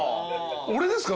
俺ですか？